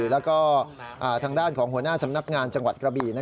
แล้วก็ทางด้านของหัวหน้าสำนักงานจังหวัดกระบี่